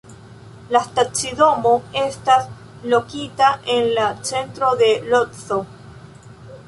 La stacidomo estas lokita en la centro de Lodzo.